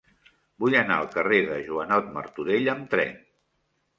Vull anar al carrer de Joanot Martorell amb tren.